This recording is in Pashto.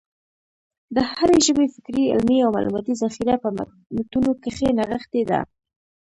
د هري ژبي فکري، علمي او معلوماتي ذخیره په متونو کښي نغښتې ده.